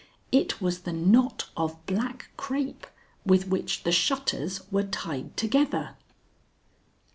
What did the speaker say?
_It was the knot of black crape with which the shutters were tied together.